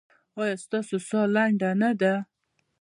ایا ستاسو ساه لنډه نه ده؟